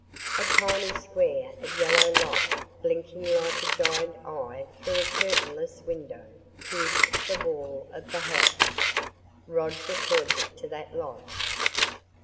A tiny square of yellow light, blinking like a giant eye through a curtainless window, pierced the wall of the house. Roger pointed to that light.